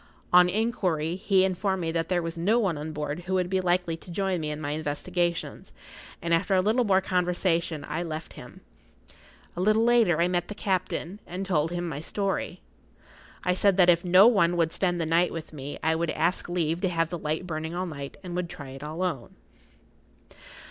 On inquiry, he informed me that there was no one on board who would be likely to join me in my investigations, and after a little more conversation I left him. A little later I met the captain, and told him my story. I said that if no one would spend the night with me I would ask leave to have the light[Pg 53] burning all night, and would try it alone.